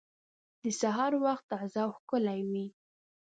د سهار وخت تازه او ښکلی وي.